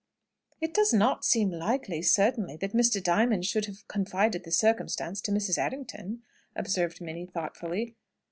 "It does not seem likely, certainly, that Mr. Diamond should have confided the circumstance to Mrs. Errington," observed Minnie, thoughtfully.